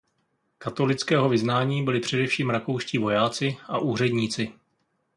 Katolického vyznání byli především rakouští vojáci a úředníci.